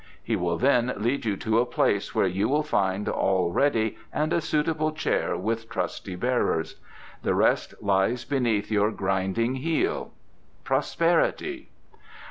He will then lead you to a place where you will find all ready and a suitable chair with trusty bearers. The rest lies beneath your grinding heel. Prosperity!"